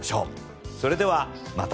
それではまた。